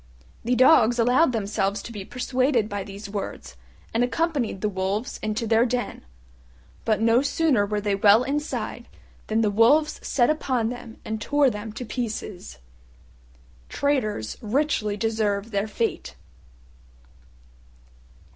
The Dogs allowed themselves to be persuaded by these words, and accompanied the Wolves into their den. But no sooner were they well inside than the Wolves set upon them and tore them to pieces. Traitors richly deserve their fate.